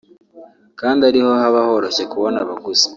kandi ariho haba horoshye kubona abaguzi